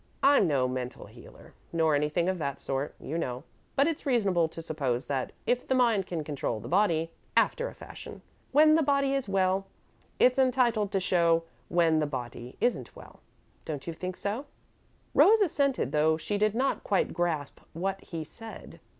I'm no mental healer, nor anything of that sort, you know, but it's reasonable to suppose that if the mind can control the body, after a fashion, when the body is well, it's entitled to some show when the body isn't well, don't you think so?" Rose assented, though she did not quite grasp what he said.